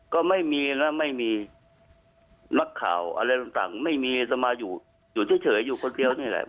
ก็ไม่มีนะไม่มีนักข่าวอะไรต่างไม่มีสมาอยู่อยู่เฉยอยู่คนเดียวนี่แหละ